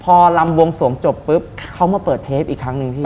พอลำวงสวงจบปุ๊บเขามาเปิดเทปอีกครั้งหนึ่งพี่